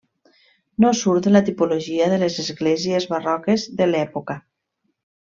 No surt de la tipologia de les esglésies barroques de l'època.